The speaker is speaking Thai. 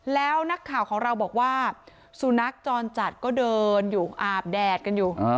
แล้วนักข่าวของเราบอกว่าสุนัขจรจัดก็เดินอยู่อาบแดดกันอยู่